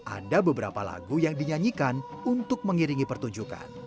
ada beberapa lagu yang dinyanyikan untuk mengiringi pertunjukan